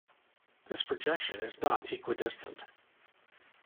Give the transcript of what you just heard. This projection is not equidistant.